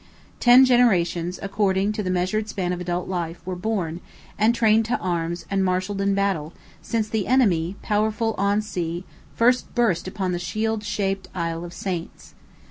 Ten generations, according to the measured span of adult life, were born, and trained to arms and marshalled in battle, since the enemy, "powerful on sea," first burst upon the shield shaped Isle of Saints.